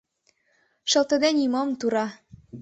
Шылтыде нимом, тура.